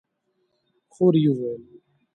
خور يې وويل: